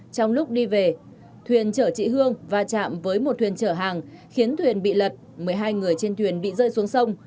trong lúc đi về thuyền chở chị hương va chạm với một thuyền chở hàng khiến thuyền bị lật một mươi hai người trên thuyền bị rơi xuống sông